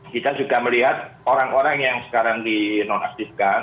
kita juga melihat orang orang yang sekarang di nonaktifkan